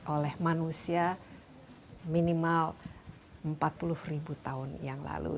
oleh manusia minimal empat puluh ribu tahun yang lalu